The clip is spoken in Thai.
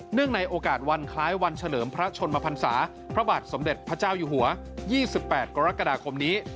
ในโอกาสวันคล้ายวันเฉลิมพระชนมพันศาพระบาทสมเด็จพระเจ้าอยู่หัว๒๘กรกฎาคมนี้